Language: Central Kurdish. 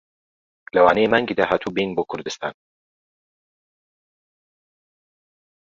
لەوانەیە مانگی داهاتوو بێین بۆ کوردستان.